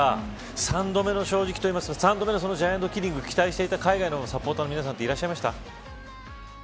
３度目の正直というか３度目のジャイアントキリングを期待していた海外のサポーターの皆さまいらっしゃいま